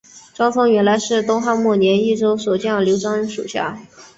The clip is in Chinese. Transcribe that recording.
张松原来是东汉末年益州守将刘璋属下。